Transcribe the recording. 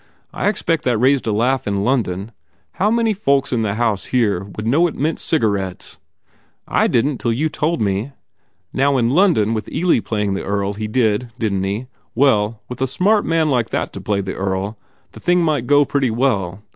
I expect that raised a laugh in London. How many folks in the house here would know it meant cigarettes? I didn t till you told me. Now in London with Ealy playing the Earl he did, didn t he? Well, with a smart man like that to play the Earl, the thing might go pretty well.